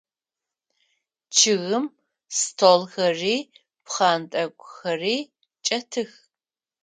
Чъыгым столхэри пхъэнтӏэкӏухэри чӏэтых.